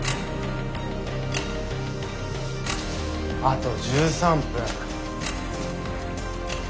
あと１３分。